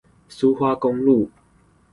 蘇花公路